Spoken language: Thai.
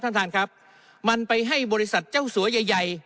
ท่านท่านครับมันไปให้บริษัทเจ้าสัวใหญ่ใหญ่